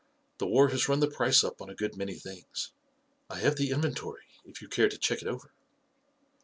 The war has run the price up on a good many things. I have the inventory, if you care to check it over."